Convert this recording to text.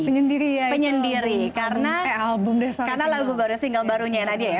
penyendiri karena lagu baru single barunya nadia ya